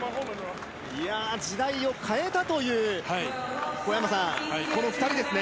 時代を変えたというこの２人ですね。